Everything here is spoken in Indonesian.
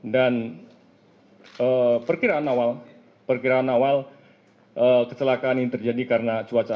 dan perkiraan awal perkiraan awal keselakaan ini terjadi karena cuaca